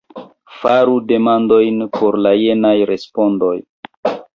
Faru demandojn por la jenaj respondoj.